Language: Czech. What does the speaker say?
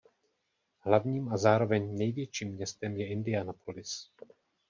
Hlavním a zároveň největším městem je Indianapolis.